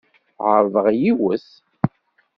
Ɛerḍeɣ yiwet.